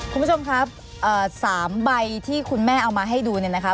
คุณผู้ชมครับ๓ใบที่คุณแม่เอามาให้ดูเนี่ยนะคะ